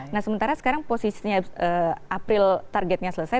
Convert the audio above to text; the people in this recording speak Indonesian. nah sementara sekarang posisinya april targetnya selesai